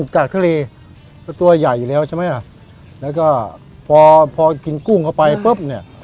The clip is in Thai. กาดทะเลตัวใหญ่อยู่แล้วใช่ไหมล่ะแล้วก็พอพอกินกุ้งเข้าไปปุ๊บเนี่ย